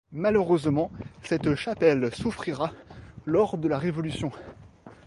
Malheureusement, cette chapelle souffrira lors de la Révolution.